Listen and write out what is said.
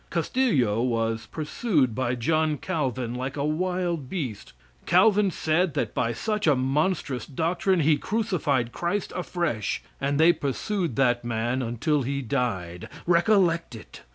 Castillo was pursued by John Calvin like a wild beast. Calvin said that such a monstrous doctrine he crucified Christ afresh, and they pursued that man until he died; recollect it!